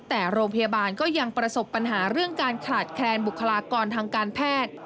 แต่โรงพยาบาลก็ยังประสบปัญหาเรื่องการขาดแคลนบุคลากรทางการแพทย์